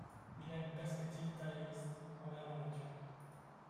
Il a une perspective taoïste envers la nature.